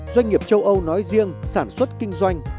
doanh nghiệp châu âu nói riêng sản xuất kinh doanh